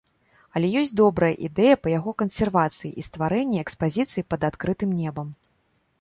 Але ёсць добрая ідэя па яго кансервацыі і стварэнні экспазіцыі пад адкрытым небам.